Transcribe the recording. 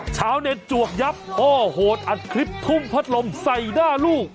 ชาวเน็ตจวกยับพ่อโหดอัดคลิปทุ่มพัดลมใส่หน้าลูก